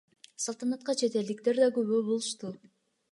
Салтанатка чет элдиктер да күбө болушту.